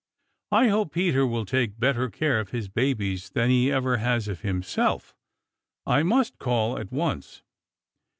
"I hope Peter will take better care of his babies than he ever has of himself. I must call at once."